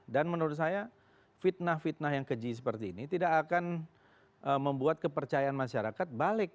dan menurut saya fitnah fitnah yang keji seperti ini tidak akan membuat kepercayaan masyarakat balik